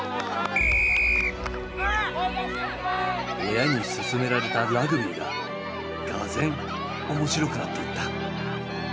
親にすすめられたラグビーががぜん面白くなっていった。